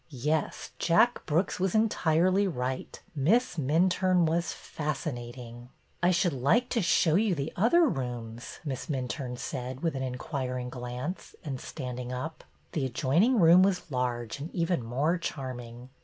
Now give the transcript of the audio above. Yes, Jack Brooks was entirely right. Miss Minturne was " fascinating.'' I should like to show you the other rooms," Miss Minturne said, with an inquiring glance, and standing up. The adjoining room was large and even more charming.